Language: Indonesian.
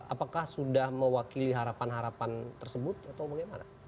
apakah sudah mewakili harapan harapan tersebut atau bagaimana